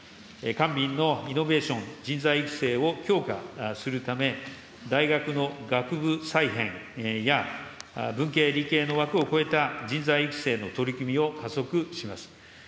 官民のイノベーション、人材育成を強化するため、大学の学部再編や、文系、理系の枠を超えた人材育成の取り組みを加速します。